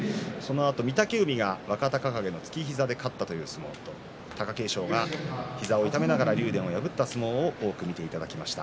御嶽海が若隆景のつきひざで勝った相撲貴景勝が膝を痛めながら竜電を破った相撲を多く見ていただきました。